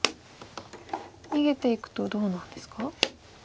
逃げていくとどうなんですか？